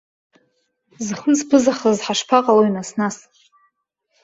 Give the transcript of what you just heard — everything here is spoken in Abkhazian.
Зхы зԥызахаз ҳашԥаҟалои нас-нас?